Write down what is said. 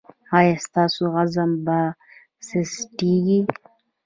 ایا ستاسو عزم به سستیږي؟